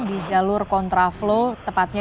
di jalur kontraflow tepatnya